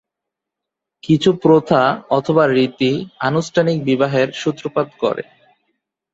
কিছু প্রথা/রীতি আনুষ্ঠানিক বিবাহের সূত্রপাত করে।